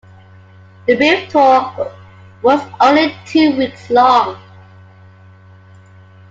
The brief tour was only two weeks long.